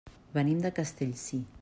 Venim de Castellcir.